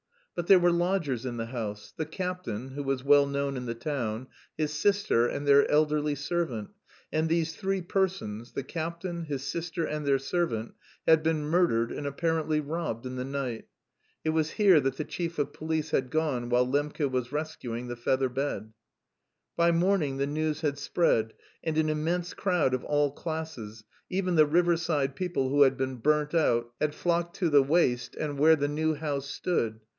But there were lodgers in the house the captain, who was well known in the town, his sister, and their elderly servant, and these three persons the captain, his sister, and their servant had been murdered and apparently robbed in the night. (It was here that the chief of police had gone while Lembke was rescuing the feather bed.) By morning the news had spread and an immense crowd of all classes, even the riverside people who had been burnt out had flocked to the waste land where the new house stood.